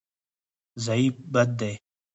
ضعف بد دی.